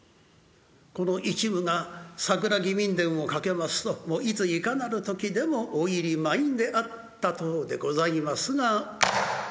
この一夢が「佐倉義民伝」をかけますといついかなる時でも大入り満員であったそうでございますが。